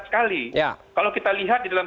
sekali kalau kita lihat di dalam